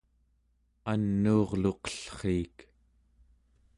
anuurluqellriik